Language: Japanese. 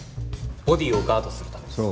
ボディーをガードするためです。